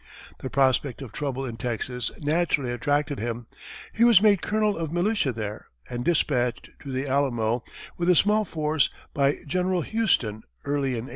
The prospect of trouble in Texas naturally attracted him, he was made colonel of militia there, and dispatched to The Alamo with a small force by General Houston early in 1836.